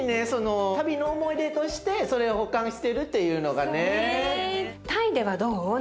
旅の思い出としてそれを保管してるっていうのがね。